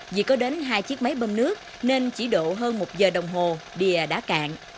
vì có đến hai chiếc máy bơm nước nên chỉ độ hơn một giờ đồng hồ đìa đã cạn